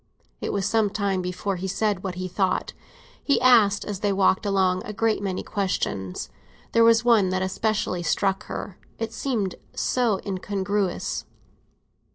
It was some time before he said what he thought: he asked, as they walked along, a great many questions. There was one that especially struck her; it seemed so incongruous.